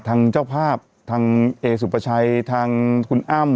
ทางเจ้าภาพทางเอสุปชัยทางคุณอ้ำ